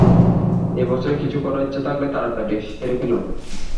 এই বছরে কিছু করার ইচ্ছা থাকলে তাড়াতাড়ি সেরে ফেলুন।